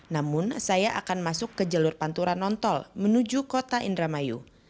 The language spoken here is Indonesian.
namun saya akan masuk ke jalur pantura non tol menuju kota indramayu